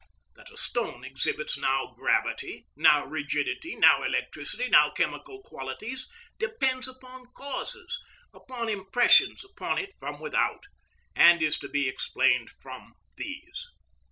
That a stone exhibits now gravity, now rigidity, now electricity, now chemical qualities, depends upon causes, upon impressions upon it from without, and is to be explained from these.